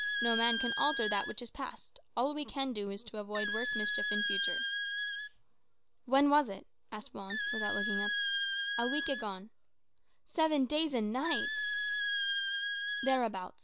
No man can alter that which is past. All we can do is to avoid worse mischief in future." "When was it?" asked Juan, without looking up. "A week agone." "Seven days and nights!" "Thereabouts.